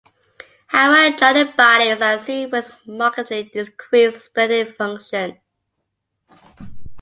Howell-Jolly bodies are seen with markedly decreased splenic function.